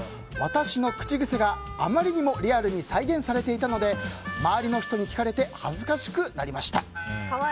私の口癖が、あまりにもリアルに再現されていたので周りの人に聞かれて恥ずかしくなりました。